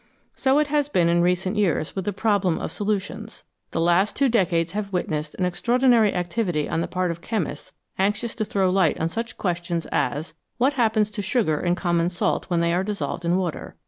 So it has been in recent years with the problem of solutions ; the last two decades have witnessed an extra ordinary activity on the part of chemists anxious to throw light on such questions as : What happens to sugar and common salt when they are dissolved in water